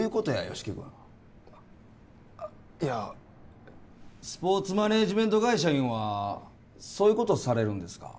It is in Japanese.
吉木君あっいやスポーツマネージメント会社いうんはそういうことされるんですか？